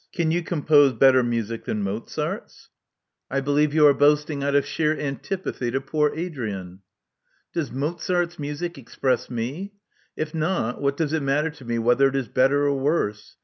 " Can you compose better music than Mozart's? I Love Among the Artists * 197 believe you are boasting out of sheer antipathy to poor Adrian?" Does Mozart's music express me? If not, what does it matter to me whether it is better or worse?